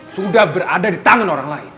sudah berada di tangan orang lain